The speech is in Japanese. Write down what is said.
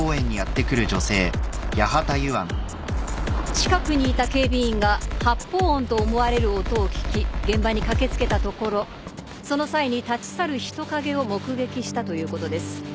近くにいた警備員が発砲音と思われる音を聞き現場に駆け付けたところその際に立ち去る人影を目撃したということです。